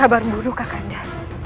kabar buruh kakanda